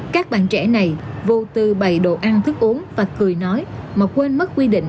các bạn trẻ này vô tư bày đồ ăn thức uống và cười nói mà quên mất quy định